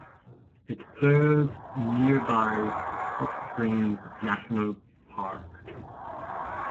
It serves nearby Hot Springs National Park.